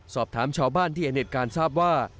สอบถามชาวบ้านที่เห็นเหตุการณ์ทราบว่า